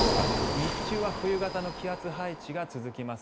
日中は冬型の気圧配置が続きます。